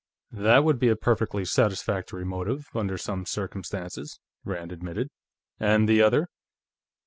"That would be a perfectly satisfactory motive, under some circumstances," Rand admitted. "And the other?"